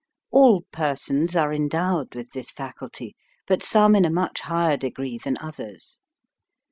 All persons are endowed with this fac ulty, but some in a much higher de gree than others.